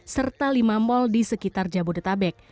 serta lima mal di sekitar jabodetabek